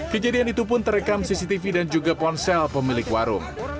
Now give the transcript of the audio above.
kejadian itu pun terekam cctv dan juga ponsel pemilik warung